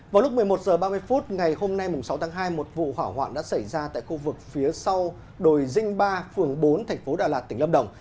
vào lúc một mươi một h ba mươi phút ngày hôm nay sáu tháng hai một vụ hỏa hoạn đã xảy ra tại khu vực phía sau đồi dinh ba phường bốn thành phố đà lạt tỉnh lâm đồng